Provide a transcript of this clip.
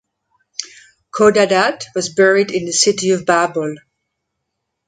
Khodadad was buried in the city of Babol.